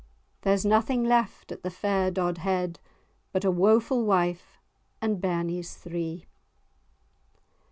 There's nothing left at the fair Dodhead But a woeful wife and bairnies three!"